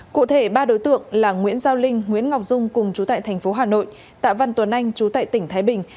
cụ thể ba đối tượng là nguyễn giao linh nguyễn ngọc dung cùng trú tại tp hcm tạ văn tuấn anh trú tại tp thái bình